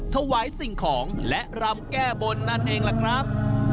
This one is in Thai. ถวายสิ่งของและรำแก้บนนั่นเองล่ะครับ